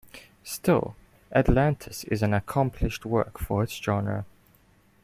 Still, "Atlantis" is an accomplished work for its genre.